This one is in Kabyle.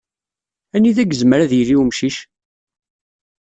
Anida yezmer ad yili wemcic?